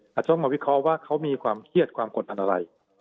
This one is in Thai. จะต้องมาวิเคราะห์ว่าเขามีความเครียดความกดดันอะไร